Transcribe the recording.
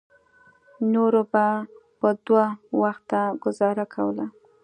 نورو به په دوه وخته ګوزاره کوله.